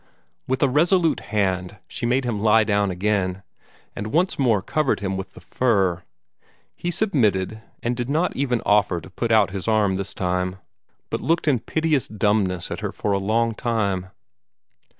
With a resolute hand, she made him lie down again, and once more covered him with the fur. He submitted, and did not even offer to put out his arm this time, but looked in piteous dumbness at her for a long time.